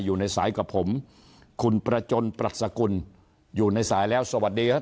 อยู่ในสายกับผมคุณประจนปรัชกุลอยู่ในสายแล้วสวัสดีครับ